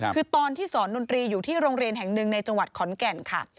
คือตอนที่สอนดนตรีอยู่ที่โรงเรียนแห่งหนึ่งในจังหวัดขอนแก่นค่ะ